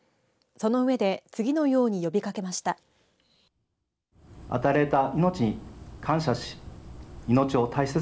その上で次のように呼びかけました。